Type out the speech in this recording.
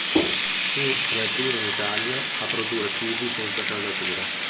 Fu tra le prime in Italia a produrre tubi senza saldatura.